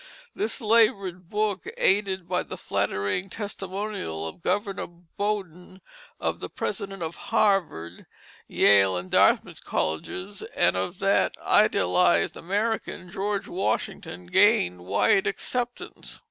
This labored book, aided by the flattering testimonials of Governor Bowdoin, of the Presidents of Harvard, Yale, and Dartmouth Colleges, and of that idolized American, George Washington, gained wide acceptance.